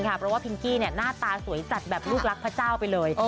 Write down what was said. เพราะว่าพิงกี้หน้าตาสวยจัดแบบลูกรักพระเจ้าไปเลย